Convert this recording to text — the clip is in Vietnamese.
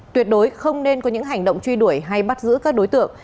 tuyệt đối không nên có những hành động truy đuổi hay bắt giữ các đối tượng